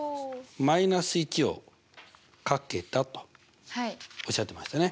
−１をかけたとおっしゃってましたね。